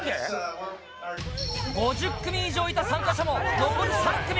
５０組以上いた参加者も残る３組。